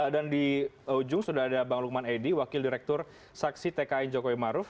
dan di ujung sudah ada bang lukman edy wakil direktur saksi tkn jokowi maruf